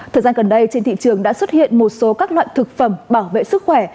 thời gian gần đây trên thị trường đã xuất hiện một số các loại thực phẩm bảo vệ sức khỏe